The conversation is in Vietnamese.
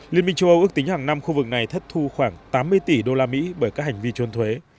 liên minh châu âu ước tính hàng năm khu vực này thất thu khoảng tám mươi tỷ usd bởi các hành vi trốn thuế